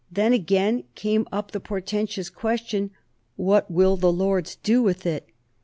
Then again came up the portentous question, "What will the Lords do with it?"